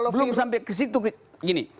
belum sampai ke situ gini